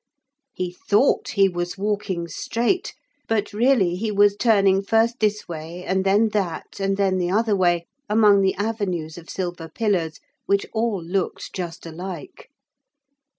He thought he was walking straight, but really he was turning first this way and then that, and then the other way among the avenues of silver pillars which all looked just alike.